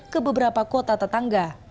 ke beberapa kota tetangga